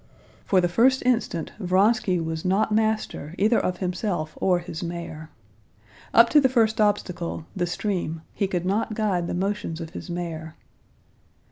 For the first instant Vronsky was not master either of himself or his mare. Up to the first obstacle, the stream, he could not guide the motions of his mare.